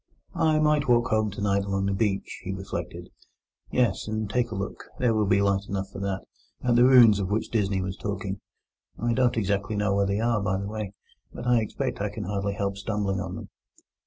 "I might walk home tonight along the beach," he reflected—"yes, and take a look—there will be light enough for that—at the ruins of which Disney was talking. I don't exactly know where they are, by the way; but I expect I can hardly help stumbling on them."